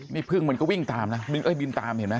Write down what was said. นี่พึ่งมันก็วิ่งตามแล้วยินตามเห็นมั้ย